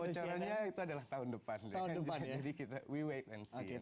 bocorannya itu adalah tahun depan jadi kita we wait and see